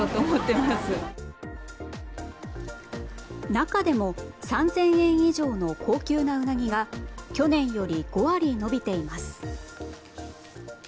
中でも３０００円以上の高級なウナギが去年より５割伸びています。